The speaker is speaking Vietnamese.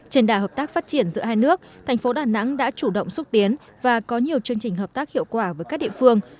trên đài hợp tác phát triển giữa hai nước thành phố đà nẵng đã chủ động xúc tiến và có nhiều chương trình hợp tác hiệu quả với các địa phương